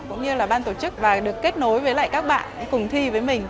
cũng như là ban tổ chức và được kết nối với lại các bạn cùng thi với mình